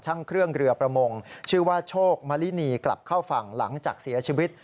ช่างเครื่องเรือประมงชื่อว่าโชคมลินีกลับเข้าฝั่งหลังจากเสียชีวิต